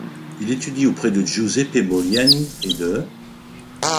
Il étudie auprès de Giuseppe Bogliani et d'.